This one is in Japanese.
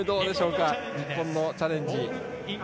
日本のチャレンジ。